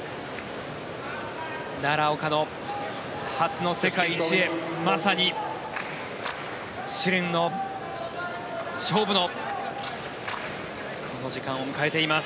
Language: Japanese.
奈良岡の初の世界一へまさに試練の勝負のこの時間を迎えています。